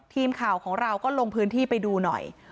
ทีมข่าวของเราก็ลงพื้นที่ไปดูหน่อย